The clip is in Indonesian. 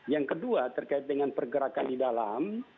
yang kedua terkait dengan pergerakan di dalam